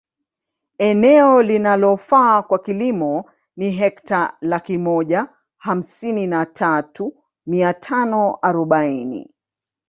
Eneo linalofaa kwa kilimo ni Hekta laki moja hamsini na tatu mia tano arobaini